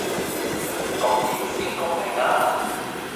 咁點先公平呀?